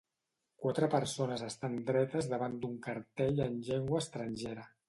Quatre persones estan dretes davant d'un cartell en llengua estrangera.